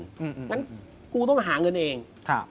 ฉะนั้นกูต้องหาเงินเอง